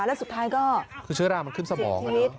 แล้วสุดท้ายก็คือเชื้อรามันขึ้นสมอง